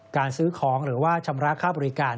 การซื้อของหรือว่าชำระค่าบริการ